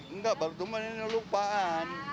enggak baru cuma ini lupaan